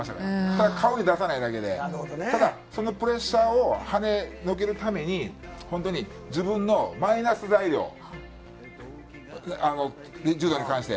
ただ顔に出さないだけで、ただ、そのプレッシャーをはねのけるために、本当に自分のマイナス材料、柔道に関して。